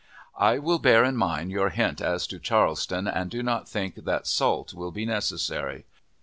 I will bear in mind your hint as to Charleston, and do not think "salt" will be necessary.